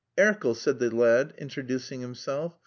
"Erkel," said the lad, introducing himself.